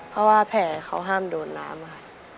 เพราะว่าแผลเขาห้ามโดดน้ำค่ะ